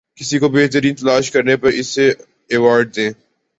کسی کو بہترین تلاش کرنے پر اسے ایوارڈ دیں